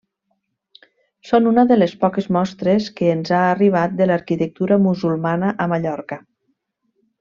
Són una de les poques mostres que ens han arribat de l'arquitectura musulmana a Mallorca.